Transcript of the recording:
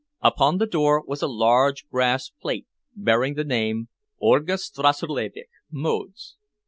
Upon the door was a large brass plate bearing the name, "Olga Stassulevitch: modes."